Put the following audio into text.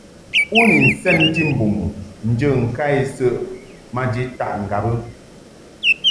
U ni nsɛnti mbum u njə ŋka isəʼɨ maji taʼ ŋgab?